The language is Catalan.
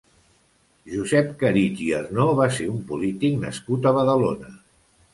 Josep Caritg i Arnó va ser un polític nascut a Badalona.